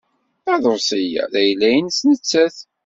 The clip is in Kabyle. Aḍebsi-a d ayla-nnes nettat.